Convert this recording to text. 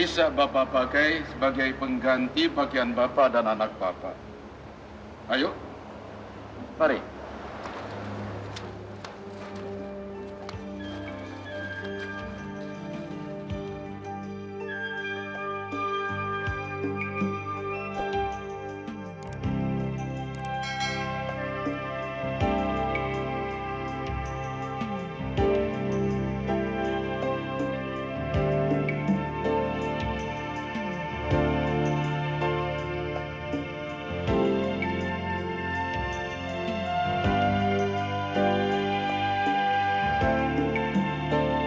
sampai jumpa di video selanjutnya